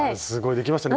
できましたね